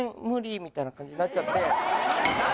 みたいな感じになっちゃって。